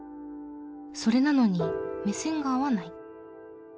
それなのに目線が合わない？